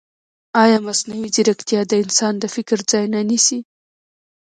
ایا مصنوعي ځیرکتیا د انسان د فکر ځای نه نیسي؟